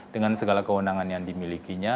dengan segala kewenangan yang dimilikinya